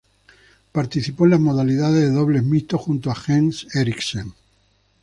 Participó en la modalidad de Dobles Mixtos junto a Jens Eriksen.